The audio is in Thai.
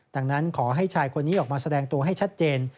ดังนั้นขอให้ชายคนนี้ออกมาแสดงตัวให้ชัดเจน